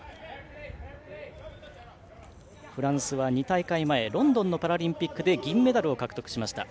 フランスは２大会前ロンドンのパラリンピックで銀メダルを獲得しました。